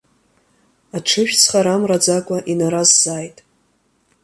Аҽыжәҵха рамраӡакәа инаразҵааит.